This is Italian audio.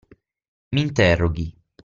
Mi interroghi!